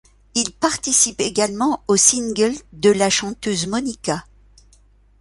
Ils participent également au single ' de la chanteuse Monica.